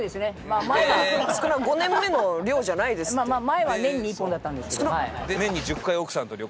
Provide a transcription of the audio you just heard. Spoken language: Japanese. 前は年に１本だったんですけど。